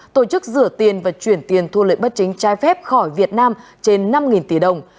tổ chức rửa tiền và chuyển tiền thu lợi bất chính trai phép khỏi việt nam trên năm tỷ đồng